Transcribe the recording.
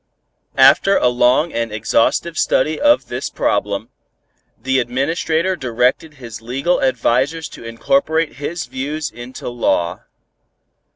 After a long and exhaustive study of this problem, the Administrator directed his legal advisers to incorporate his views into law.